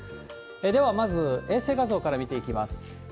では、まず衛星画像から見ていきます。